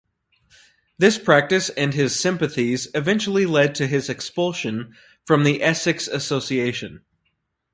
This practice and his sympathies eventually led to his expulsion from the Essex Association.